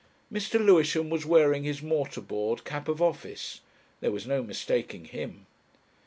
Mr. Lewisham was wearing his mortarboard cap of office there was no mistaking him.